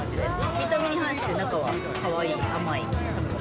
見た目に反して、中はかわいい、甘い。